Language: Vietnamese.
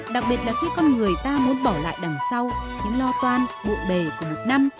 đặc biệt là khi con người ta muốn bỏ lại đằng sau những lo toan bộn bề của một năm